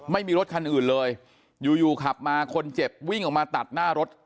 ไม่มีรถคันอื่นเลยอยู่อยู่ขับมาคนเจ็บวิ่งออกมาตัดหน้ารถ